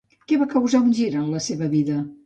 Què va causar un gir en la seva vida?